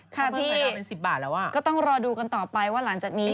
ค่ะพี่ก็ต้องรอดูกันต่อไปว่าหลังจากนี้